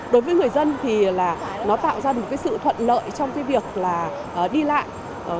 đối với người dân thì nó tạo ra một sự thuận lợi trong việc đi lại